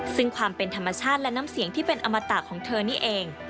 ซึ่งความเป็นธรรมชาติและน้ำเสียงที่เป็นอมตะของเธอนี่เอง